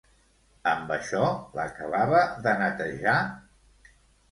Amb això, l'acabava de netejar?